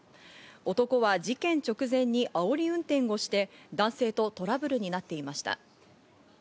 男は事件直前にあおり運転をして、男性とトラブルになっていました。